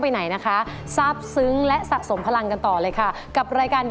มันเหมือนครับว่าน้ำตาตกในครับ